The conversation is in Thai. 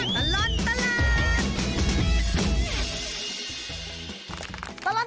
ชั่วตลอดตลาด